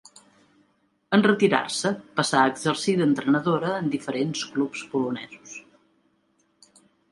En retirar-se passà a exercir d'entrenadora en diferents clubs polonesos.